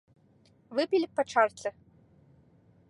Выпілі б па чарцы.